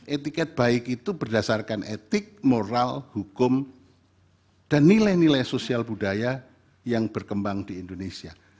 etiket baik itu berdasarkan etik moral hukum dan nilai nilai sosial budaya yang berkembang di indonesia